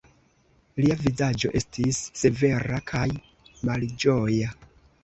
Lia vizaĝo estis severa kaj malĝoja.